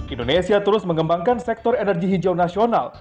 indonesia terus mengembangkan sektor energi hijau nasional